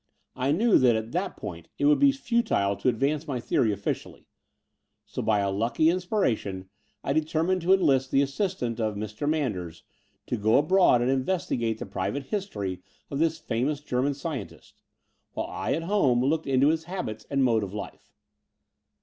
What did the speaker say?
I knew that at that point it would be futile to advance my theory oflficially: so, by a lucky inspiration, I determined to enlist the assistance of Mr. Manders to go abroad and inves tigate the private history of this famous German scientist, while I, at home, looked into his habits and mode of life.